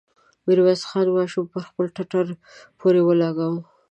ميرويس خان ماشوم پر خپل ټټر پورې ولګاوه.